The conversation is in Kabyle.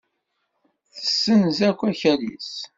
Tessenz akk akal-is.